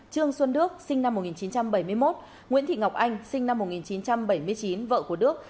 trương xuân đức sinh năm một nghìn chín trăm bảy mươi một nguyễn thị ngọc anh sinh năm một nghìn chín trăm bảy mươi chín vợ của đức